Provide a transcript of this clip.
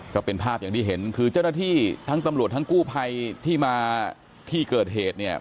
ก็เป็นภาพอย่างที่เห็นคือเจ้าหน้าที่ทั้งตำรวจทั้งกู้ภัยที่มาที่เกิดเหตุเนี่ย